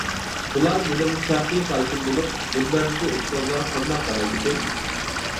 بۇلار مېنىڭ شەخسىي قارىشىم بولۇپ، مۇنبەردىكى ئۇستازلار قانداق قارايدىكىن.